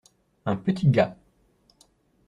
Un petit gars.